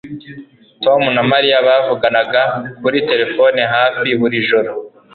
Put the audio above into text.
Tom na Mariya bavuganaga kuri terefone hafi buri joro.